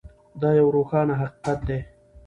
دا یو روښانه حقیقت دی.